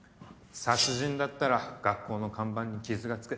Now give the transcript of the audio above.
殺人だったら学校の看板に傷が付く。